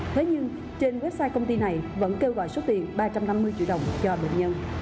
thế nhưng trên website công ty này vẫn kêu gọi số tiền ba trăm năm mươi triệu đồng cho bệnh nhân